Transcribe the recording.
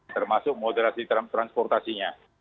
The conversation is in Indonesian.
termasuk moderasi transportasinya